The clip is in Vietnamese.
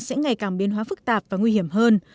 sẽ ngày càng biến hóa phức tạp và nguy hiểm hơn